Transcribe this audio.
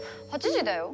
８時だよ？